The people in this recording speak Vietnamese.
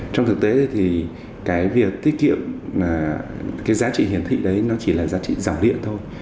trong thực tế thì cái việc tiết kiệm cái giá trị hiển thị đấy nó chỉ là giá trị dòng điện thôi